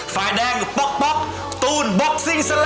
ฝ่ายแดงป๊อกป๊อกตูนบ็อกซิ่งซะเลย